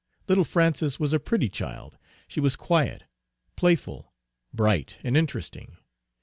Little Frances was a pretty child; she was quiet, playful, bright, and interesting.